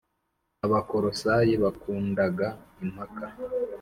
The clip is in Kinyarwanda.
Abakolosayi bakundaga impaka